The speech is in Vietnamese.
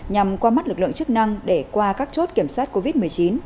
nhằm qua mắt lực lượng chức năng để qua các chốt kiểm soát covid một mươi chín